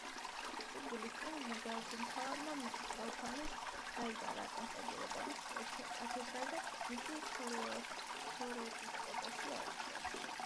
სიკვდილის წინ მღვდელმთავარმა მიტროფანემ დაიბარა, კონსტანტინოპოლის კათედრაზე მისი ქორეპისკოპოსი აერჩიათ.